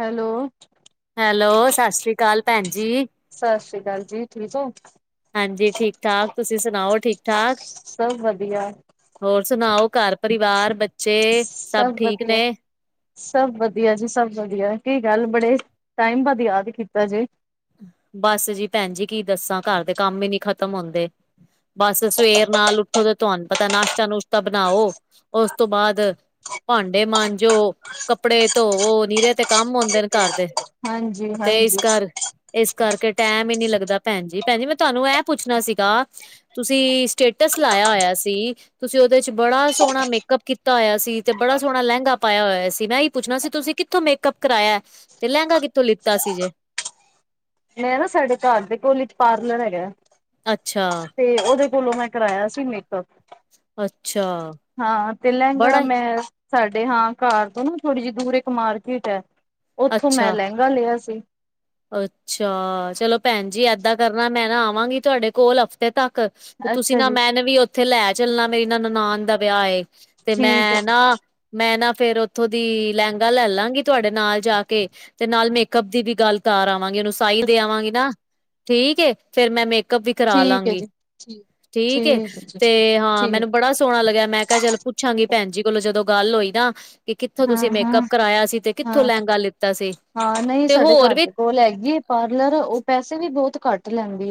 Hello! Hello! ਸਤਿ ਸ਼੍ਰੀ ਅਕਾਲ ਭੈਣ ਜੀ। ਸਤ ਸ਼੍ਰੀ ਅਕਾਲ ਜੀ, ਠੀਕ ਹੋ। ਹਾਂਜੀ ਠੀਕ ਠਾਕ ਤੁਸੀਂ ਸੁਣਾਓ ਠੀਕ ਠਾਕ ਸਭ ਵਧੀਆ ਹੋਰ ਸੁਣਾਓ ਘਰ, ਪਰਿਵਾਰ, ਬੱਚੇ, ਸਭ ਠੀਕ ਨੇ ਵਧੀਆ ਸਭ ਵਧੀਆ ਜੀ ਸਭ ਵਧੀਆ ਕੀ ਗੱਲ ਬੜੇ, ਟਾਈਮ ਬਾਦ ਯਾਦ ਕੀਤਾ ਜੇ ਬਸ ਜੀ ਭੈਣ ਜੀ ਕੀ ਦੱਸਾਂ ਘਰ ਦੇ ਕੰਮ ਹੀ ਨੀ ਖਤਮ ਹੁੰਦੇ ਬਸ ਸਵੇਰ ਨਾਲ ਉੱਠੋ ਤੇ ਤੁਹਾਨੂੰ ਪਤਾ ਨਾਸ਼ਤਾ ਨੁਸ਼ਤਾ ਬਣਾਓ, ਉਸ ਤੋਂ ਬਾਅਦ ਭਾਂਡੇ ਮਾਂਜੋ, ਕੱਪੜੇ ਧੋਵੋ, ਨੀਰੇ ਤੇ ਕੰਮ ਹੁੰਦੇ ਨੇ ਘਰ ਦੇ ਹਾਂਜੀ-ਹਾਂਜੀ, ਤੇਈਸ ਘਰ ਇਸ ਕਰਕੇ ਟੈਮ ਹੀ ਨਹੀਂ ਲੱਗਦਾ ਭੈਣ ਜੀ ਭੈਣ ਜੀ ਮੈਂ ਤੁਹਾਨੂੰ ਇਹ ਪੁੱਛਣਾ ਸੀਗਾ ਤੁਸੀਂ, ਸਟੇਟਸ ਲਾਇਆ ਹੋਇਆ ਸੀ ਤੁਸੀਂ ਉਹਦੇ ਚ ਬੜਾ ਸੋਹਣਾ ਮੇਕਅੱਪ ਕੀਤਾ ਹੋਇਆ ਸੀ ਤੇ ਬੜਾ ਸੋਹਣਾ ਲਹਿੰਗਾ ਪਾਇਆ ਹੋਇਆ ਸੀ ਮੈਂ ਆਹੀ ਪੁੱਛਣਾ ਸੀ ਤੁਸੀਂ ਕਿੱਥੋਂ ਮੇਕਅੱਪ ਕਰਾਇਆ, ਤੇ ਲਹਿੰਗਾ ਕਿੱਥੋਂ ਲਿੱਤਾ ਸੀ ਜੇ ਮੈਂ ਨਾ ਸਾਡੇ ਘਰ ਦੇ ਕੋਲੀ ਚ ਪਾਰਲਰ ਹੈਗਾ ਅੱਛਾ, ਤੇ ਉਹਦੇ ਕੋਲੋਂ ਮੈਂ ਕਰਾਇਆ ਸੀ ਮੇਕਅਪ ਅੱਛਾ ਹਾਂ, ਤੇ ਲਹਿੰਗਾ ਬੜਾ ਹੀ ਮੈਂ ਸਾਡੇ ਹਾਂ ਘਰ ਤੋਂ ਨਾ ਥੋੜੀ ਜਿਹੀ ਦੂਰ ਇੱਕ ਮਾਰਕੀਟ ਹੈ, ਉੱਥੋਂ ਅੱਛਾ ਮੈਂ ਲਹਿੰਗਾ ਲਿਆ ਸੀ। ਅੱਛਾ, ਚਲੋ ਭੈਣ ਜੀ ਏਦਾਂ ਕਰਨਾ ਮੈਂ ਨਾ ਆਵਾਂਗੀ ਤੁਹਾਡੇ ਕੋਲ ਹਫ਼ਤੇ ਤੱਕ ਤੇ ਤੁਸੀਂ ਅੱਛਾ ਨਾ ਜੀ, ਮੈਂਨ ਵੀ ਉੱਥੇ ਲੈ ਚੱਲਣਾ ਮੇਰੀ ਨਾ ਨਨਾਨ ਦਾ ਵਿਆਹ ਹੈ ਤੇ, ਠੀਕ ਹੈ ਮੈਂ ਜੀ, ਨਾ ਮੈਂ ਨਾ ਫੇਰ ਉੱਥੋਂ ਦੀ ਲਹਿੰਗਾ ਲੈ ਲਾਂਗੀ ਤੁਹਾਡੇ ਨਾਲ ਜਾ ਕੇ ਤੇ ਨਾਲ ਮੇਕਅਪ ਦੀ ਵੀ ਗੱਲ ਕਾਰ ਆਵਾਂਗੇ ਉਹਨੂੰ ਸਾਈ ਦੇ ਆਵਾਂਗੇ ਨਾ ਠੀਕ ਏ, ਫੇਰ ਮੈਂ ਮੇਕਅਪ ਵੀ ਕਰਾ ਠੀਕ ਹੈ ਲਾਂਗੀ ਜੀ, ਠੀਕ। ਠੀਕ ਏ ਹੈ ਜੀ, ਤੇ ਹਾਂ ਠੀਕ, ਮੈਨੂੰ ਬੜਾ ਸੋਹਣਾ ਲੱਗਿਆ ਮੈਂ ਕਿਹਾ ਚੱਲ ਪੁੱਛਾਂਗੀ ਭੈਣ ਜੀ ਕੋਲੋ ਜਦੋਂ ਗੱਲ ਹੋਈ ਨਾ, ਕਿ ਕਿੱਥੋਂ ਤੁਸੀਂ ਹਾਂ-ਹਾਂ, ਮੇਕਅੱਪ ਹਾਂ। ਕਰਵਾਇਆ ਸੀ ਤੇ ਹਾਂ ਕਿੱਥੋਂ ਹਾਂ ਲਹਿੰਗਾ ਲਿੱਤਾ ਸੀ ਤੇ ਹੋਰ ਵੀ ਹੋਰ ਲੈਗੀ ਪਾਰਲਰ ਉਹ ਪੈਸੇ ਵੀ ਬਹੁਤ ਘੱਟ ਲੈਂਦੀ,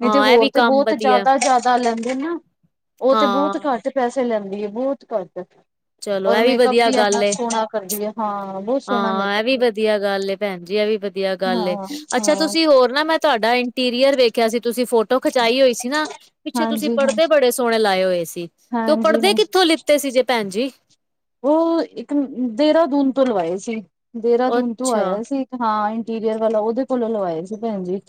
ਨਹੀਂ ਤੇ ਹਾਂ ਇਹ ਹੋਰ ਵੀ ਤੇ ਕੰਮ ਬਹੁਤ ਵਧੀਆ ਜ਼ਿਆਦਾ ਜ਼ਿਆਦਾ ਲੈਂਦੇ ਨਾ, ਉਹ ਤੇ ਬਹੁਤ ਹਾਂ ਘੱਟ ਪੈਸੇ ਲੈਂਦੀ ਹੈ ਬਹੁਤ ਘਟ ਚਲੋ ਇਹ ਵੀ ਵਧੀਆ ਗੱਲ ਹੈ, ਕਰਦੀ ਹੈ ਹਾਂ ਬਹੁਤ ਸੋਹਣਾ ਹਾਂ ਇਹ ਮੇਕਅਪ ਵੀ ਕਰਦੀ ਹੈ। ਵਧੀਆ ਗੱਲ ਏ ਭੈਣ ਜੀ ਇਹ ਵੀ ਵਧੀਆ ਗੱਲ ਏ। ਹਾਂ। ਅੱਛਾ ਹਾਂ ਤੁਸੀਂ ਹੋਰ ਨਾ ਮੈਂ ਤੁਹਾਡਾ ਇੰਟੀਰੀਅਰ ਵੇਖਿਆ ਸੀ ਤੁਸੀਂ ਫੋਟੋ ਖਿਚਾਈ ਹੋਈ ਸੀ ਨਾ। ਪਿੱਛੇ ਤੁਸੀਂ ਹਾਂਜੀ ਪੜ੍ਹਦੇ ਹਾਂਜੀ ਬੜੇ ਸੋਹਣੇ ਲਾਏ ਹੋਏ ਸੀ ਤੇ ਉਹ ਹਾਂਜੀ ਪੜ੍ਹਦੇ ਹਾਂਜੀ ਕਿੱਥੋਂ ਲਿੱਤੇ ਸੀ ਜੇ ਭੈਣ ਜੀ। ਉਹ ਇੱਕ ਦੇਹਰਾਦੂਨ ਤੋਂ ਲਵਾਏ ਸੀ ਦੇਹਰਾਦੂਨ ਤੋਂ ਅੱਛਾ ਆਇਆ ਸੀ। ਹਾਂ ਇੰਟੀਰੀਅਰ ਵਾਲਾ ਉਹਦੇ ਕੋਲੋਂ ਲਵਾਏ ਸੀ ਭੈਣ ਜੀ।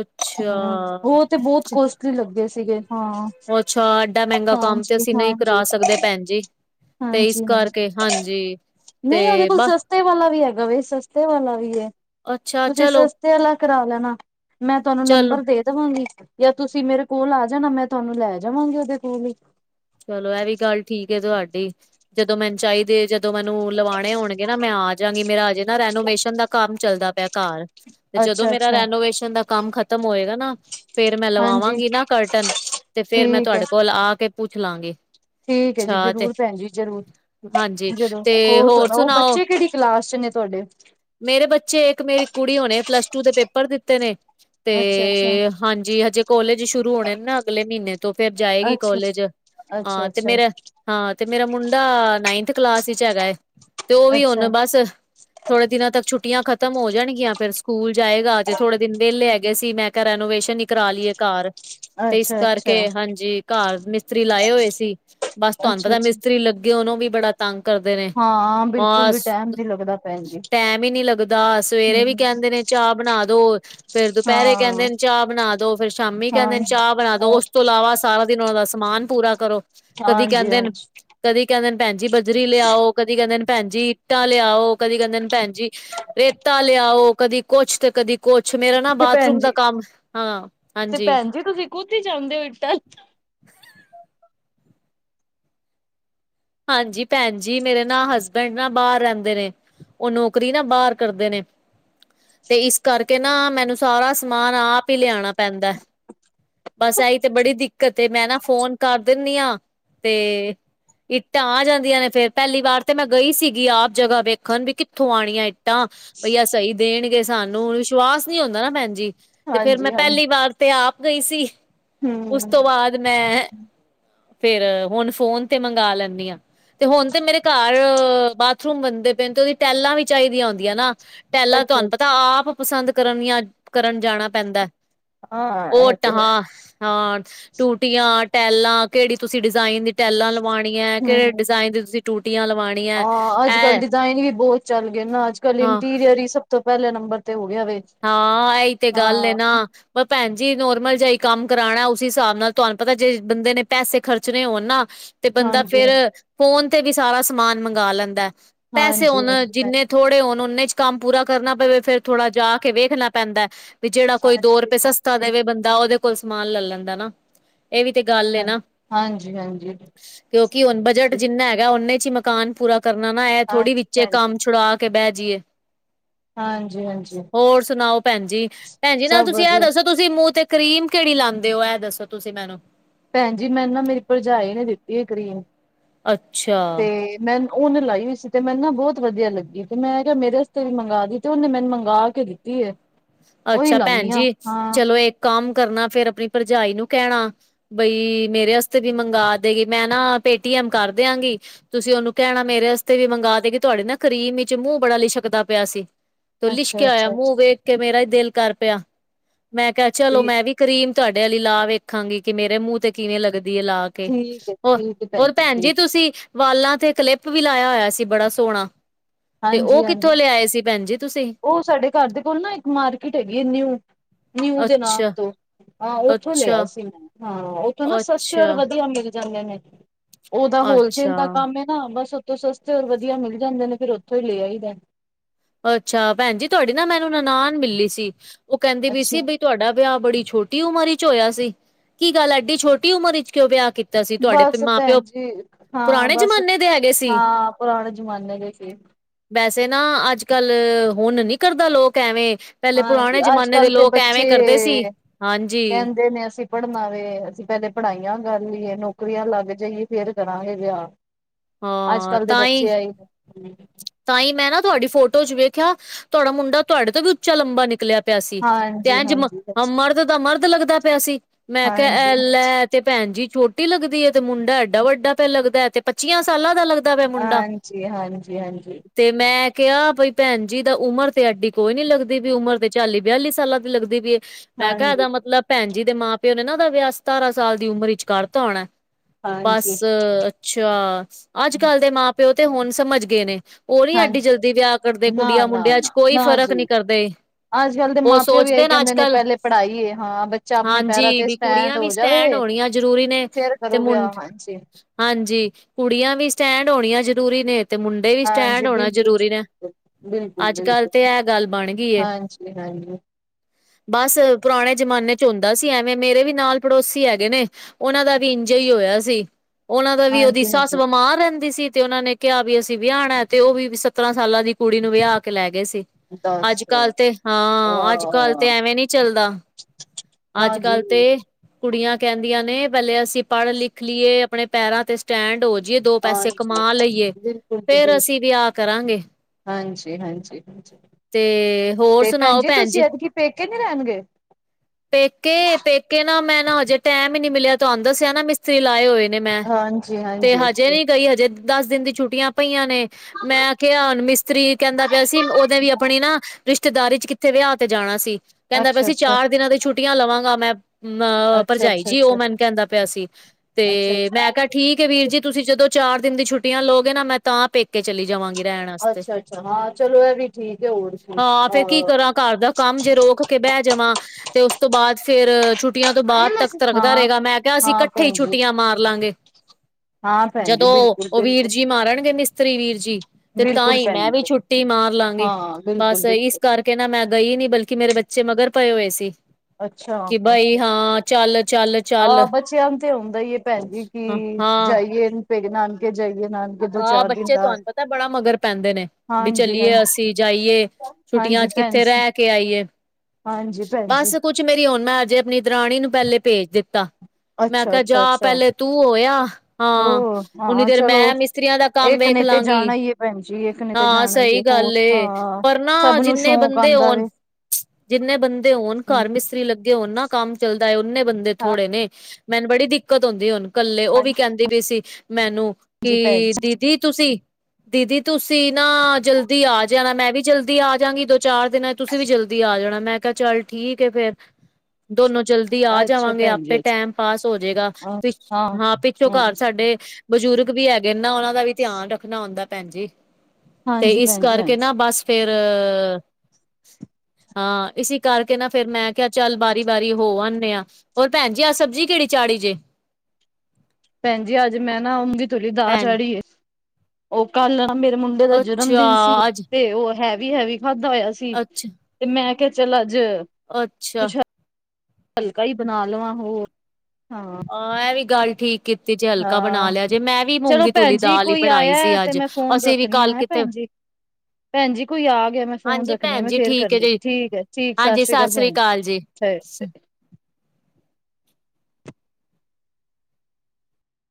ਅੱਛਾ ਉਹ ਤੇ ਬਹੁਤ ਕੋਸਟਲੀ ਲੱਗੇ ਸੀਗੇ ਹਾਂ। ਉਹ ਅੱਛਾ ਐਡਾ ਮਹਿੰਗਾ ਕੰਮ ਤੇ ਹਾਂਜੀ ਅਸੀਂ ਨਹੀਂ ਹਾਂਜੀ ਕਰਾ ਸਕਦੇ ਭੈਣ ਜੀ। ਤੇ ਇਸ ਹਾਂਜੀ ਹਾਂਜੀ ਕਰਕੇ ਹਾਂਜੀ ਤੇ ਨਹੀਂ ਉਹਦੇ ਕੋਲ ਬਸ। ਸਸਤੇ ਵਾਲਾ ਵੀ ਹੈਗਾ ਵੇ ਸਸਤੇ ਵਾਲਾ ਵੀ ਹੈ। ਅੱਛਾ ਤੁਸੀਂ ਚਲੋ ਸਸਤੇ ਵਾਲਾ ਕਰਾ ਲੈਣਾ ਮੈਂ ਤੁਹਾਨੂੰ ਚਲੋ ਨੰਬਰ ਦੇ। ਦੇਵਾਂਗੀ ਜਾਂ ਤੁਸੀਂ ਮੇਰੇ ਕੋਲ ਆ ਜਾਣਾ ਮੈਂ ਤੁਹਾਨੂੰ ਲੈ ਜਾਵਾਂਗੀ ਉਹਦੇ ਕੋਲ ਹੀ। ਚਲੋ ਇਹ ਵੀ ਗੱਲ ਠੀਕ ਹੈ ਤੁਹਾਡੀ ਜਦੋਂ ਮੈਨੂੰ ਚਾਹੀਦੇ ਜ। ਜਦੋਂ ਮੈਨੂੰ ਲਵਾਉਣੇ ਹੋਣਗੇ ਨਾ ਮੈਂ ਆ ਜਾਂਗੀ ਮੇਰਾ ਅਜੇ ਨਾ ਰੈਨੋਵੇਸ਼ਨ ਦਾ ਕੰਮ ਚੱਲਦਾ ਪਿਆ ਘਰ। ਤੇ ਜਦੋਂ ਮੇਰਾ ਅੱਛਾ-ਅੱਛਾ ਰੈਨੋਵੇਸ਼ਨ ਦਾ ਕੰਮ ਖਤਮ ਹੋਏਗਾ ਨਾ, ਫੇਰ ਮੈਂ ਹਾਂਜੀ ਲਵਾਵਾਂਗੀ ਨਾ ਕਰਟਨ ਤੇ ਫੇਰ ਮੈਂ ਠੀਕ ਹੈ ਤੁਹਾਡੇ ਕੋਲ ਆ ਕੇ ਪੁੱਛ ਲਾਂਗੀ, ਠੀਕ ਹੈ ਜੀ ਅੱਛਾ ਤੇ ਜ਼ਰੂਰ ਭੈਣ ਜੀ ਜ਼ਰੂਰ ਜਦੋਂ ਹੋਰ ਸੁਣਾਓ ਬੱਚੇ ਕਿਹੜੀ ਕਲਾਸ ਚ ਨੇ ਤੁਹਾਡੇ, ਮੇਰੇ ਬੱਚੇ ਇੱਕ ਮੇਰੀ ਕੁੜੀ ਹੁਣੇ ਪਲੱਸ ਟੂ ਦੇ ਪੇਪਰ ਦਿੱਤੇ ਨੇ ਤੇ ਅੱਛਾ-ਅੱਛਾ। ਹਾਂਜੀ ਹਜੇ ਕੋਲੇਜ ਸ਼ੁਰੂ ਹੋਣੇ ਨੇ ਨਾ ਅਗਲੇ ਮਹੀਨੇ ਤੋਂ ਫੇਰ ਜਾਏਗੀ ਅੱਛਾ-ਅੱਛਾ, ਕੋਲੇਜ ਹਾਂ ਤੇ ਅੱਛਾ-ਅੱਛਾ, ਮੇਰਾ ਹਾਂ ਤੇ ਮੇਰਾ ਮੁੰਡਾ ਨਾਈਨਥ ਕਲਾਸ ਵਿੱਚ ਹੈਗਾ ਹੈ। ਤੇ ਉਹ ਵੀ ਹੁਣ ਅੱਛਾ। ਬਸ। ਥੋੜੇ ਦਿਨਾਂ ਤੱਕ ਛੁੱਟੀਆਂ ਖਤਮ ਹੋ ਜਾਣਗੀਆਂ ਫਿਰਰ ਸਕੂਲ ਜਾਏਗਾੇ ਥੋੜੇ ਦਿਨ ਵਿਹਲੇ ਹੈਗੇਏ ਸੀ ਮੈਂ ਰੈਨੋਵੇਸ਼ਨ ਹੀ ਕਰਾ ਲਈਏ ਘਰ ਤੇ ਇਸ ਅੱਛਾ-ਅੱਛਾ, ਕਰਕੇ ਹਾਂਜੀ। ਘਰ ਮਿਸਤਰੀ ਲਾਏ ਹੋਏ ਸੀ ਬਸ ਤੁਹਾਨੂੰ ਪਤਾ ਅੱਛਾ-ਅੱਛਾ ਮਿਸਤਰੀ ਲੱਗੇ ਹੋਣ ਉਹ ਵੀ ਬੜਾ। ਤੰਗ ਕਰਦੇ ਨੇ ਹਾਂ ਬਿਲਕੁਲ ਵੀ ਬਸ ਟੈਮ ਨੀ ਲੱਗਦਾ ਭੈਣ ਜੀ। ਟਾਈਮ ਹੀ ਨਹੀਂ ਲੱਗਦਾ ਸਵੇਰੇ ਹੂੰ ਵੀ ਕਹਿੰਦੇ ਨੇ। ਚਾਹ ਬਣਾ ਦੋ ਫੇਰ ਦੁਪਹਿਰੇ ਹਾਂ ਕਹਿੰਦੇ ਨੇ ਚਾਹ ਬਣਾ ਦੋ ਫੇਰ ਸ਼ਾਮੀ ਕਹਿੰਦੇ ਹਾਂਜੀ, ਚਾਹ ਬਣਾ ਦੋ ਉਸ ਤੋਂ ਇਲਾਵਾ। ਸਾਰਾ ਦਿਨ ਉਹਨਾਂ ਦਾ ਸਮਾਨ ਪੂਰਾ ਕਰੋ ਕਦੀ ਕਹਿੰਦੇ ਨੇ ਹਾਂਜੀ-ਹਾਂਜੀ ਕਦੀ ਕਹਿੰਦੇ ਭੈਣ ਜੀ। ਬਜ਼ਰੀ ਲਿਆਓ ਕਦੀ ਕਹਿੰਦੇ ਨੇ ਭੈਣ ਜੀ ਇੱਟਾਂ ਲਿਆਓ। ਕਦੀ ਕਹਿੰਦੇ ਨੇ ਭੈਣ ਜੀ ਰੇਤਾ ਲਿਆਓ ਕਦੀ ਕੁਛ ਤੇ ਕਦੀ। ਕੁਛ ਮੇਰਾ ਨਾ ਤੇ ਭੈਣ ਬਾਥਰੂਮ ਜੀ ਦਾ ਕੰਮ ਹਾਂ ਹਾਂਜੀ। ਕੁਥਤੀ ਚਝਾਦੇ ਉਠਟ [unintelligible] [inaudible] ਹਾਂਜੀ ਭੈਣ ਜੀ ਮੇਰੇ ਨਾ ਹਸਬੈਂਡ ਨਾ ਬਾਹਰ ਰਹਿੰਦੇ ਨੇ। ਉਹ ਨੌਕਰੀ ਨਾ ਬਾਹਰ ਕਰਦੇ ਨੇ ਤੇ ਇਸ ਕਰਕੇ ਨਾ ਮੈਨੂੰ ਸਾਰਾ। ਮਾਨ ਆਪ ਹੀ ਲਿਆਣਾ ਪੈਂਦਾ। ਬਸ ਇਹੀ ਤੇ ਬੜੀ ਦਿੱਕਤ ਮੈਂ ਨਾ ਫੋਨ ਕਰ ਦਿੰਦੀ ਆ ਤੇ। ਇੱਟਾਂ ਆ ਜਾਂਦੀਆਂ ਨੇ ਫੇਰ ਪਹਿਲੀ ਵਾਰ ਤੇ ਮੈਂ ਗਈ ਸੀਗੀ ਆਪ ਜਗ੍ਹਾ ਵੇਖਣ ਵੀ ਕਿੱਥੋਂ ਆਣੀਆਂ ਇੱਟਾਂ। ਬਈ ਆ ਸਹੀ ਦੇਣਗੇ ਸਾਨੂੰ ਵਿਸ਼ਵਾਸ ਨਹੀਂ ਆਉਂਦਾ ਨਾ ਭੈਣ ਜੀ। ਤੇ ਫੇਰ ਮੈਂ ਹਾਂਜੀ-ਹਾਂਜੀ ਪਹਿਲੀ ਵਾਰ ਤੇ ਆਪ ਗਈ ਸੀ ਉਸ ਤੋਂ ਹੂੰ ਬਾਅਦ। ਮੈਂ ਫੇਰ ਹੁਣ ਫੋਨ ਤੇ ਮੰਗਾ ਲੈਂਦੀ ਹਾਂ। ਤੇ ਹੁਣ ਤੇ ਮੇਰੇ ਘਰ ਬਾਥਰੂਮ ਬੰਦੇ ਪਏ ਤੇ ਉਹਦੀ ਟੈਲਾਂ ਵੀ ਚਾਹੀਦੀਆਂ ਹੁੰਦੀਆਂ ਨਾ। ਪਹਿਲਾਂ ਤੁਹਾਨੂੰ ਅੱਛਾ-ਅੱਛਾ ਪਤਾ ਆਪ ਪਸੰਦ ਕਰਨ ਜਾਂ ਕਰਨ ਜਾਣਾ ਪੈਂਦਾ। ਹਾਂ ਇਹ ਉਟ ਤੇ ਹੈ। ਹਾਂ। ਹਾਂ ਟੂਟੀਆਂ ਟੈਲਾਂ ਕਿਹੜੀ ਤੁਸੀਂ ਡਿਜ਼ਾਇਨ ਦੀ ਟੈਲਾਂ। ਲਵਾਣੀ ਹੈ ਕਿਹੜੇ ਹੂੰ ਡਿਜ਼ਾਇਨ ਦੀ ਤੁਸੀਂ ਟੂਟੀਆਂ ਲਵਾਣੀ ਹੈ ਹਾਂ ਅੱਜ ਕੱਲ੍ਹ ਇਹ। ਡਿਜ਼ਾਇਨ ਵੀ ਬਹੁਤ ਚੱਲ ਗਏ ਨਾ ਅੱਜ ਇੰਟੀਰੀਅਰ ਹੀ ਸਭ ਤੋਂ ਪਹਿਲੇ ਨੰਬਰ ਤੇ ਹੋ ਗਿਆ ਵੇ। ਹਾਂ ਇਹੀ ਤੇ ਗੱਲ ਏ ਹਾਂ ਨਾ। ਪਰ ਭੈਣ ਜੀ ਨੋਰਮਲ ਜਿਹਾ ਕੰਮ ਕਰਾਉਣਾ ਉਸ ਹਿਸਾਬ ਨਾਲ ਤੁਹਾਨੂੰ ਪਤਾ ਜੇ ਬੰਦੇ ਨੇ ਪੈਸੇ ਖਰਚਣੇ ਹੋਣ ਨਾ। ਤੇ ਬੰਦਾ ਫੇਰ ਹਾਂਜੀ-ਹਾਂਜੀ ਫੋਨ ਤੇ ਵੀ ਸਾਰਾ ਸਮਾਨ ਮੰਗਵਾ ਲੈਂਦਾ ਪੈਸੇ ਹੋਨ ਹਾਂਜੀ-ਹਾਂਜੀ ਭੈਣ ਜਿੰਨੇ। ਹੁਣ ਉਨੇ ਚ ਕੰਮ ਪੂਰਾ ਕਰਨਾ ਪਵੇ। ਫਿਰ ਥੋੜਾ ਜਾ ਕੇ ਵੇਖਣਾ ਪੈਂਦਾ। ਜਿਹੜਾ ਕੋਈ ਦੋ ਰੁਪਏ ਸਸਤਾ ਹਾਂਜੀ-ਹਾਂਜੀ ਦੇਵੇ ਬੰਦਾ ਉਹਦੇ ਕੋਲ ਸਮਾਨ ਲੈ ਲੈਂਦਾ ਨਾ। ਇਹ ਵੀ ਤੇ ਗੱਲ ਹੈ ਹਾਂ ਨਾ। ਹਾਂਜੀ-ਹਾਂਜੀ ਕਿਉਂਕਿ ਹੁਣ ਬਜਟ ਹਾਂਜੀ ਜਿੰਨਾ ਹੈਗਾ ਉਨੇ ਚ ਹੀ ਮਕਾਨ ਪੂਰਾ ਕਰਨਾ ਨਾ। ਇਹ ਥੋੜੀ ਹਾਂਜੀ ਵਿੱਚ ਭੈਣ ਜੀ ਕੰਮ ਛੁੜਾ। ਤੇ ਬਹਿ ਜਾਈਏ। ਹਾਂਜੀ-ਹਾਂਜੀ। ਹੋਰ ਸੁਣਾਓ ਭੈਣ ਜੀ, ਭੈਣ ਜੀ ਨਾਲ ਸਭ ਤੁਸੀਂ ਆਹ ਵਧੀਆ ਦੱਸੋ ਤੁਸੀਂ ਮੂੰਹ ਤੇ ਕਰੀਮ ਕਿਹੀ ਲਾਉਂਦੇ ਹੋ ਇਹ ਦੱਸੋ ਤੁਸੀਂ ਮੈਨੂੰ ਭੈਣ ਜ, ਮੈਨੂੰ ਨਾ ਮੇਰੀ ਭਰਜਾਈ ਨੇ ਦਿੱਤੀ ਹੈ ਕਰੀਮ ਅੱਛਾ। ਮੈਨ ਉਹਨ ਲਾਈ ਹੋਈ ਸੀ। ਤੇ ਮੈਨੂੰ ਨਾ ਬਹੁਤ ਵਧੀਆ ਲੱਗੀ। ਤੇ ਮੈਂ ਕਿਹਾ ਮੇਰੇ ਵਾਸਤੇ ਵੀ ਮੰਗਵਾ ਦੀ ਤੇ ਉਹਨੇ ਮੈਨੂੰ ਮੰਗਵਾ ਕੇ ਲਈ ਕੀ ਹੈ। ਅੱਛਾ। ਭੈਣ ਜੀ, ਚਲੋ ਇੱਕ ਕੰਮ ਕਰਨਾ। ਫੇਰ ਆਪਣੀ ਭਰਜਾਈ ਨੂੰ ਕਹਿਣਾ ਬਈ, ਮੇਰੇ ਵਾਸਤੇ ਵੀ ਮੰਗਵਾ ਦੇਗੀ। ਮੈਂ ਨਾ ਪੇਟੀਐਮ ਕਰ ਦਿਆਂਗੀ। ਤੁਸੀਂ ਉਹਨੂੰ ਕਹਿਣਾ ਮੇਰੇ ਵਸਤੇ ਵੀ ਮੰਗਵਾ ਦੇ ਕਿ ਤੁਹਾਡੀ ਨਾ ਕਰੀਮ ਵਿੱਚ ਮੂੰਹ ਬੜਾ ਛਕਦਾ ਪਿਆ ਸੀ ਤ ਅੱਛਾ ਲਿਸ਼ਕੀਆ ਹੋਇਆ ਅੱਛਾ ਮੂੰਹ ਅੱਛਾ ਵੇਖ ਕੇ ਮੇਰਾ ਹੀ ਦਿਲ ਕਰ ਪਿਆ ਮੈਂ ਕਿਹਾ ਚਲੋ ਠੀਕ ਮੈਂ ਵੀ। ਕਰੀਮ ਤੁਹਾਡੇ ਵਾਲੀ ਲਾ ਵੇਖਾਂਗੀ ਕਿ ਮੇਰੇ ਮੂੰਹ ਤੇ ਕਿਵੇਂ ਲੱਗਦੀ ਹੈ ਲਾ। ਠੀਕ ਹੈ ਹੋ ਠੀਕ ਹੈ ਹੋਰ ਭੈਣ ਜੀ ਠੀਕ ਤੁਸੀਂ ਵਾਲਾਂ ਤੇ ਕਲਿੱਪ ਵੀ ਲਾਇਆ ਹੋਇਆ ਸੀ ਬੜਾ ਸੋਹਣਾ। ਤੇ ਹਾਂਜੀ ਉਹ ਹਾਂਜੀ ਕਿੱਥੋਂ ਲਿਆਏ ਸੀ ਭੈਣ ਜੀ ਤੁਸੀਂ। ਉਹ ਸਾਡੇ ਘਰ ਦੇ ਕੋਲ ਨਾ ਇੱਕ ਮਾਰਕੀਟ ਹੈਗੀ ਆ ਨਿਊ ਨਿਊ ਦੇ ਨਾਮ ਅੱਛਾ ਤੋਂ। ਹਾਂ ਉੱਥੋਂ ਅੱਛਾ ਲਿਆ ਸੀ ਮ ਹਾਂ ਉੱਥੋਂ ਨਾ ਸਸਤੇ ਔਰ ਅੱਛਾ ਵਧੀਆ ਮਿਲ ਜਾਂਦੇ ਨੇ। ਉਹ ਤਾਂ ਹੋਲਸੇਲ ਅੱਛਾ ਦਾ ਕੰਮ ਹੈ ਨਾ ਬਸ ਉਤੋਂ ਸਸਤੇ ਵਧੀਆ ਮਿਲ ਜਾਂਦੇ ਨੇ ਫਿਰ ਉਥੋਂ ਹੀ ਲੈ ਆਈਦਾ। ਅੱਛਾ। ਭੈਣ ਜੀ ਤੁਹਾਡੀ ਨਾ ਮੈਨੂੰ ਨਨਾਨ ਮਿਲੀ ਸੀ। ਉਹ ਕਹਿੰਦੀ ਵੀ ਸੀ ਅੱਛਾ ਵੀ। ਤੁਹਾਡਾ ਵਿਆਹ ਬੜੀ ਛੋਟੀ ਉਮਰ ਵਿਚ ਹੋਇਆ ਸੀ। ਕੀ ਗੱਲ ਐਡੀ ਛੋਟੀ ਉਮਰ ਵਿਚ ਕਿਉਂ ਵਿਆਹ ਕੀਤਾ। ਸੀ ਤੁਹਾਡੇ ਬਸ ਮਾਂ ਪਿਓ ਭੈਣ ਜੀ, ਹਾਂ। ਪੁਰਾਣੇ ਬਸ ਜਮਾਨੇ ਦੇ ਹੈਗੇ ਸੀ ਹਾਂ ਪੁਰਾਣੇ ਜਮਾਨੇ ਦੇ ਕੀ ਵੈਸੇ ਨਾ ਅੱਜ ਕੱਲ, ਹੁਣ ਨੀ ਕਰਦਾ ਲੋਕ ਐਵੇਂ। ਪਹਿਲੇ ਹਾਂਜੀ ਪੁਰਾਣੇ ਅੱਜ ਜਮਾਨੇ ਦੇ ਕੱਲ ਤੇ ਲੋਕ ਐਵੇਂ ਕਰਦੇ ਸੀ ਹਾਂਜੀ ਦੇ ਨੇ ਅਸੀਂ ਪੜ੍ਹਨਾਵੇ ਅਸੀਂ ਪਹਿਲੇ ਪੜ੍ਹਾਈਆਂ ਕਰ ਲਈਏ ਨੌਕਰੀਆਂ ਲੱਗ ਜਾਈਏ ਫੇਰ ਕਰਾਂਗੇ ਵਿਆਹ। ਅੱਜ ਹਾਂ। ਕੱਲ ਦੇ ਤਾਂਹੀ ਬੱਚੇ ਆਈ ਤਾਂ ਹੀ ਮੈਂ ਨਾ ਤੁਹਾਡੀ ਫੋਟੋ ਚ ਵੇਖਿਆ। ਤੁਹਾਡਾ ਮੁੰਡਾ, ਤੁਹਾਡੇ ਤੋਂ ਵੀ ਉੱਚਾ- ਲੰਬਾ ਨਿਕਲਿਆ। ਪਿਆ ਸੀ। ਤੇ ਹਾਂਜੀ ਇਂਝ ਮ ਹਾਂਜੀ ਹਾਂਜੀ ਮਰਦ ਤਾਂ ਮਰਦ ਲੱਗਦਾ ਪਿਆ ਸੀ। ਮੈਂ ਕਿਹਾਿਆ ਹਾਂਜੀ ਲੈ। ਤੇ ਭੈਣ ਜੀ ਛੋਟੀ ਲੱਗਦੀ ਹੈ। ਤੇ ਮੁੰਡਾ ਐਡਾ ਵੱਡਾ ਪ ਲੱਗਦਾ ਤੇ ਪੱਚੀਆਂ ਸਾਲਾਂ ਦਾ ਲੱਗਦਾ। ਪਿਆ ਮੁੰਡਾ ਹਾਂਜੀ -ਹਾਂਜੀ -ਹਾਂਜੀ। ਤੇ ਮੈਂ ਕਿਹਾ ਬਈ ਭੈਣ ਜੀ ਦਾ ਉਮਰ ਤੇ ਐਡੀ ਕੋਈ ਨੀ ਲੱਗਦੀ ਵੀ ਉਮਰ ਤੇ ਚਾਲੀ -ਬਿਆਲੀ ਸਾਲਾਂ ਵੀ ਲੱਗਦੀ ਵੀ। ਮੈਂ ਹਾਂਜੀ ਕਿਹਾਦਾ ਮਤਲਬ ਭੈਣ ਜੀ ਦੇ ਮਾਂ- ਪਿਓ ਨੇ ਨਾ ਉਹਦਾ ਵਿਆਹ ਸਤਾਰਾਂ ਸਾਲ ਦੀ ਉਮਰ ਵਿੱਚ ਕਰਤਾ ਆਉਣਾ। ਬਸ, ਹਾਂਜੀ ਅੱਛਾ। ਅੱਜ ਕੱਲ ਦੇ ਮਾਂ -ਪਿਓ ਤੇ ਹੁਣ ਸਮਝ ਗਏ ਨੇ। ਉਹ ਨੀ ਐਡੀ ਹਾਂਜੀ ਜਲਦੀ ਵਿਆਹ ਕਰਦੇ ਨਾ ਕੁੁੰਡੀਆਂ- ਨਾ ਮੁੰਡਿਆਂ ਚ ਨਾ ਕੋਈ ਨਾ ਫਰਕ ਜੀ ਨਹੀਂ ਕਰਦੇ। ਅੱਜ ਕੱਲ ਦੇ ਉਹ ਮਾਂ -ਪਿਓ ਵੀ ਇਹੀ ਸੋਚਦੇ ਅੱਜ ਕਹਿੰਦੇ ਨੇ। ਕੱਲ ਪਹਿਲੇ ਪੜ੍ਹਾਈ ਏ ਹਾਂ। ਬੱਚਾ ਆਪਣੇ ਹਾਂਜੀ ਪੈਰਾਂ ਤੇ ਵੀ ਕੁੜੀਆਂ ਸਟੈਂਡ ਵੀ ਹੋ ਸਟੈਂਡ ਜਾਵੇ ਹੋਣੀਆਂ ਜ਼ਰੂਰੀ ਨੇ। ਫੇਰ ਤੇ ਕਰੋ ਮੁੰਡ ਵਿਆਹ ਹਾਂਜੀ ਹਾਂਜੀ। ਕੁੜੀਆਂ ਵੀ ਸਟੈਂਡ ਹੋਣੀਆਂ ਜ਼ਰੂਰੀ ਨੇ। ਤੇ ਮੁੰਡੇ ਵੀ ਸਟੈਂਡ ਹਾਂਜੀ ਹੋਣਾ ਬਿਲਕੁਲ ਜੀ ਜਰੂਰੀ ਨੇ। ਬਿਲਕੁਲ ਬਿਲਕੁਲ ਅੱਜ ਕੱਲ ਬਿਲਕੁਲ ਤੇ ਇਹ ਗੱਲ ਬਣ ਗਈ। ਹਾਂਜੀ ਹਾਂਜੀ ਬਸ, ਪੁਰਾਣੇ ਜਮਾਨੇ ਚ ਹੁੰਦਾ ਸੀ। ਐਵੇਂ ਮੇਰੇ ਵੀ ਨਾਲ ਪੜੋਸੀ ਹੈਗੇ ਨੇ। ਉਹਨਾਂ ਦਾ ਵੀ ਇੰਜ ਹੀ ਹੋਇਆ ਸੀ। ਉਹਨਾਂ ਦਾ ਵੀ ਹਾਂਜੀ ਹਾਂਜੀ ਮ ਰਹਿੰਦੀ ਸੀ। ਤੇ ਉਹਨਾਂ ਨੇ ਕਿਹਾ ਵੀ ਅਸੀਂ ਵਿਆਹਣਾ। ਤੇ ਉਹ ਵੀ ਸਤਰਾਂ ਸਾਲਾਂ ਦੀ ਕੁੜੀ ਨੂੰ ਵਿਆਹ ਕੇ ਲੈ ਗਏ ਸੀ। ਦੱਸ ਅੱਜ ਕੱਲ ਤੇ ਹਾਂ। ਅੱਜ ਕੱਲ ਤੇ ਵਾਹ ਐਵੇਂ ਨੀ ਚੱਲਦਾ। ਨਾ ਅੱਜ ਜੀ ਕੱਲ ਤੇ ਕੁੜੀਆਂ ਕਹਿੰਦੀਆਂ ਨੇ ਪਹਿਲੇ ਅਸੀਂ ਪੜ੍ਹ ਲਿਖ ਲਈਏ ਆਪਣੇ ਪੈਰਾਂ ਤੇ। ਸਟੈਂਡ ਹੋ ਜਈਏ ਦੋ ਪੈਸੇ ਹਾਂਜੀ ਕਮਾ ਲਈਏ ਫੇਰ ਅਸੀਂ ਵੀ ਆਹ ਕਰਾਂਗੇ। ਹਾਂਜੀ-ਹਾਂਜੀ ਤੇ ਹੋਰ ਤੇ ਭੈਣ ਸੁਣਾਓ ਜੀ ਤੁਸੀਂ ਅੱਦਕੀ ਪੇਕੇ ਨੀ ਲੈਣਗੇ। [inaudible] ਪੇਕੇ ਪੇਕੇ ਨਾ ਮੈਂ ਨਾ ਅਜੇ ਟਾਈਮ ਹੀ ਨਹੀਂ ਮਿਲਿਆ ਤੁਹਾਨੂੰ ਦੱਸਿਆ ਨਾ ਮਿਸਤਰੀ ਲਾਏ ਹੋਏ ਮੈਂ ਹਾਂਜੀ ਤੇ ਹਾਂਜੀ ਹਜੇ ਅੱਛਾ ਨਹੀਂ ਗਈ ਅਜੇ ਦਾਸ ਦਿਨ ਦੀ ਛੁੱਟੀਆਂ ਪਈਆਂ ਨੇ ਮੈਂ ਕਿਹਾੁਣ ਮਿਸਤਰੀ ਕਹਿੰਦਾ ਪਿਆ ਸੀ ਉਹਓਦੇੇ ਵੀ ਆਪਣੀ ਨਾ ਰਿਸ਼ਤੇਦਾਰੀ ਚ ਕਿੱਥੇ ਰਿਹਾ ਤੇ ਜਾਣਾ ਸੀ ਕਹਿੰਦਾ ਅੱਛਾ ਵੈਸੇ ਅੱਛਾ ਚਾਰ ਦਿਨਾਂ ਦੀ ਛੁੱਟੀਆਂ ਲਵਾਂਗਾ ਮੈਂ ਅੱਛਾ ਭਰਜਾਈ ਜੀ ਉਹ ਅੱਛਾ ਅੱਛਾ ਮੈਨ ਕਹਿੰਦਾ ਪਿਆ ਸੀ ਅੱਛਾ ਤੇ ਅੱਛਾ ਮੈਂ ਕਿਹਾ ਠੀਕ ਹ ਵੀਰ ਜੀ ਤੁਸੀਂ ਜਦੋਂ ਚਾਰ ਦਿਨ ਦੀ ਛੁੱਟੀਆਂ ਲੋਕ ਨਾ ਮੈਂ ਤਾਂ ਕਿ ਚਲੀ ਜਾਵਾਂਗੀ ਰਹਿਣ ਵਾਸਤੇ ਅੱਛਾ ਅੱਛਾ ਹਾਂ ਚਲੋ ਇਹ ਵੀ ਠੀਕ ਹੈ ਹੋਰ ਕੀ ਹਾਂ ਫਿਰ ਕੀ ਕਰਾਂ ਘਰ ਦਾ ਬਹੁਤ ਅੱਛਾ ਕੰਮ ਜੇ ਰੋਕ ਕੇ ਬਹਿ ਜਵਾਂ ਤੇ ਉਸ ਤੋਂ ਬਾਅਦ ਫਿਰ ਤੀਆਂ ਤੋਂ ਬਾਅਦ ਤਖਤ ਰੱਖਦਾ ਹਾਂ ਰਹੇਗਾ ਮੈਂ ਕਿਹਾ ਅਸੀਂ ਹਾਂ ਇਕੱਠੇ ਹੀ ਭੈਣ ਜੀ ਛੁੱਟੀਆਂ ਮਾਰ ਲਾਂਗੇ ਹਾਂ ਭੈਣ ਜੀ ਬਿਲਕੁਲ ਜਦੋਂ ਵੀਰ ਬਿਲਕੁਲ ਜੀ ਮਾਰਣਗੇ ਮਿਸਤਰੀ ਵੀਰ ਜੀ ਤੇ ਤਾਂ ਬਿਲਕੁਲ ਭੈਣ ਮੈਂ ਵੀ ਜੀ ਛੁੱਟੀ ਮਾਰ ਲਾਂਗੀ ਹਾਂ ਬਿਲਕੁਲ ਬਸ ਇਸ ਬਿਲਕੁਲ ਕਰਕੇ ਪਾਉਂਦੇ ਹੀ ਨਹੀਂ ਹੁੰਦੀ ਮਹਾਰਾਜ ਜੁੱਤੀ ਤੇਰੇ ਮੂੰਹ ਤੇ ਖਿੱਚ ਕੇ ਪੁੱਤ ਕਹਿੰਦਾ ਮੈਂ ਗਈ ਨਹੀਂ ਬਲਕਿ ਮੇਰੇ ਬੱਚੇ ਮਗਰ ਪਏ ਹੋਏ ਅੱਛਾ ਕਿ ਅੱਛਾ ਬਈ ਹਾਂ। ਚੱਲ- ਚੱਲ ਆਹ! ਚੱਲ ਬੱਚਿਆਂ ਨੂੰ ਤੇ ਆਉਂਦਾ ਈ ਹੈ ਭੈਣ ਜੀ ਕਿ ਹਾਂ ਜਾਈਏ। ਪ ਨਾਨਕੇ ਜਾਈਏ। ਨਾਨਕੇ ਦੋ ਹਾਂ ਚਾਰ ਦਿਨ ਬੱਚੇ ਦਾ ਤਹਾਨੂੰ ਪਤਾ ਬੜਾ ਮਗਰ ਪੈਂਦੇ ਨੇ। ਹਾਂਜੀ ਚੱਲੀਏ ਹਾਂਜੀ ਅਸੀਂ ਜਾਈਏ। ਫਿਰ ਛੁੱਟੀਆਂ ਹਾਂਜੀ ਚ ਭੈਣ ਕਿੱਥੇ ਜੀ ਰਹਿ ਕੇ ਆਈਏ ਹਾਂਜੀ। ਭੈਣ ਜੀ ਬਸ ਕੁੱਛ ਮੇਰੀ ਹਣ ਮੈਂ ਅਜੇ ਆਪਣੀ ਦਰਾਣੀ ਨੂੰ ਪਹਿਲੇ ਭੇਜ ਦਿੱਤਾ। ਮੈਂ ਅੱਛਾ ਕਿਹਾ ਅੱਛਾ ਜਾ ਅੱਛਾ ਪਹਿਲੇ ਤੂੰ ਹੋਇਆ। ਹਾਂ, ਹੋ ਉਨੀ ਹਾਂ ਦੇਰ ਚਲੋ ਮੈਂ ਤਰੀਆ ਦਾ ਕੰਮ ਇੱਕ ਵੇਖ ਨੇ ਤੇ ਲਾਂਗੀ ਜਾਣਾ ਹੀ ਹੈ ਭੈਣ ਜੀ ਇੱਕ ਨੇ ਤੇ ਜਾਣਾ ਹੀ ਸਹੀ ਹੈ ਹੋਰ ਹਾਂ ਪਰ ਨਾ ਸਭ ਨੂੰ ਜਿੰਨੇ ਸ਼ੌਕ ਬੰਦੇ ਆਉਂਦਾ ਹੋਣ ਵੇ ਜਿੰਨੇ ਬੰਦੇ ਹੋਣ ਘਰ ਤਰੇ ਲੱਗੇ ਹੋਣ ਨਾ ਕੰਮ ਚਲਦਾ ਉਹਨੇ ਬੰਦੇ ਹਾਂ ਥੋੜੇ ਨੇ ਮੈਨੂੰ ਬੜੀ ਦਿੱਕਤ ਹੁੰਦੀ ਉਹਨੂੰ ਇਕੱਲੇ ਉਹ ਵੀ ਕਹਿੰਦੀ ਵੀ ਸੀ ਮੈਨੂੰ ਕਿ ਹਾਂਜੀ ਭੈਣ ਜੀ ਤੁਸੀਂ ਦੀਦੀ ਤੁਸੀਂ ਨਾ ਜਲਦੀ ਆ ਜਾਣਾ ਮੈਂ ਵੀ ਜਲਦੀ ਆ ਜਾਗੀ ਚਾਰ ਦਿਨਾਂ ਚ ਤੁਸੀਂ ਵੀ ਜਲਦੀ ਆ ਜਾਣਾ ਮੈਂ ਕਿਹਾ ਚੱਲ ਠੀਕ ਹ ਫਿਰ ਦੋਨੋਂ ਤੇ ਆ ਅੱਛਾ ਜਾਵਾਂਗੇ ਭੈਣ ਜੀ ਆਪੇ ਅੱਛਾ ਟਾਈਮ ਪਾਸ ਹੋ ਜਾਏਗਾ ਤੇ ਹਾਂ ਪਿੱਛੋਂ ਘਰ ਹਾਂਜੀ ਸਾਡੇ ਬਜ਼ੁਰਗ ਵੀ ਹੈਗੇ ਨਾ ਉਹਨਾਂ ਦਾ ਵੀ ਧਿਆਨ ਰੱਖਣਾ ਹੁੰਦਾ ਭੈਣ ਜੀ ਤੇ ਹਾਂਜੀ ਇਸ ਭੈਣ ਜੀ ਕਰਕੇ ਹਾਂਜੀ ਨਾ ਬਸ ਫਿਰ ਇਸੇ ਕਰਕੇ ਨਾ ਫਿਰ ਮੈਂ ਦੀ ਵਾਰੀ ਹੋ ਆਦੇ ਆ ਉਹ ਭੈਣ ਜੀ ਆ ਸਬਜੀ ਕਿਹੜੀ ਚਾੜੀ ਜੇ ਭੈਣ ਜੀ ਅੱਜ ਮੈਂ ਨਾ ਆਉਂਗੀ ਤੁਹਾਡੀ ਦਾਲ ਭੈਣ ਮੇਰੇ ਮੂੰ ਤੇਰੇ ਅੱਛਾ ਜਨਮਦਿਨ ਸੀ ਅੱਜ ਉਹ ਹੈ ਹੈਵੀ ਖਾਦਾ ਹੋਇਆ ਸੀ ਅੱਛਾ ਤੇ ਮੈਂ ਕਿਹਾ ਚਲ ਅੱਜ ਅੱਛਾ ਕਈ ਬਣਾ ਲਵਾਂ ਹੋਰ ਹਾਂ ਆ ਵੀ ਗੱਲ ਠੀਕ ਕੀ ਕਰੋਗੇ ਹਲਕਾ ਬਣਾ ਹਾਂ ਲਿਆ ਜੇ ਮੈਂ ਵੀ ਚਲੋ ਮੂੰਗੀ ਭੈਣ ਤੋਲੀ ਜੀ ਦਾਲ ਹੀ ਬਣਾਈ ਸੀ ਅੱਜ ਅਸੀਂ ਵੀ ਕੱਲ ਕਿਤੇ ਹਾਂਜੀ ਭੈਣਜੀ ਕੋਈ ਆ ਗਿਆ ਮੈਂ ਫੋਨ ਹਾਂਜੀ ਰੱਖਣੀ ਆ ਭੈਣ ਮੈਂ ਜੀ ਫੇਰ ਠੀਕ ਹੈ ਕਰਨੀ ਜੀ ਠੀਕ ਹ ਠੀਕ ਸਤਿ ਹਾਂਜੀ ਸ਼੍ਰੀ ਸ੍ਰੀ ਅਕਾਲ ਜੀ ਸਹੀ